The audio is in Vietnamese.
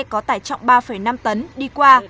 có tải trọng ba năm tấn đi qua